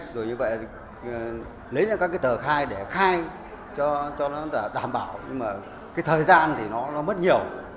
rồi như vậy lấy ra các cái tờ khai để khai cho nó đảm bảo nhưng mà cái thời gian thì nó mất nhiều